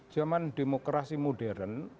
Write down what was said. jaman demokrasi modern